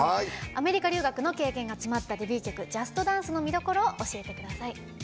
アメリカ留学の経験が詰まったデビュー曲「ＪＵＳＴＤＡＮＣＥ！」の見どころを教えてください。